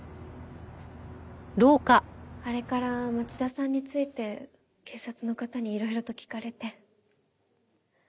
あれから町田さんについて警察の方にいろいろと聞かれて。